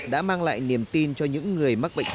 đã mang lại niềm tin cho những người mắc bệnh